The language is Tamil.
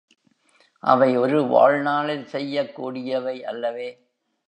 அவை ஒரு வாழ்நாளில் செய்யக் கூடியவை அல்லவே!